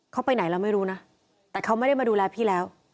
เขาไปไหนเราไม่รู้นะแต่เขาไม่ได้มาดูแลพี่แล้ว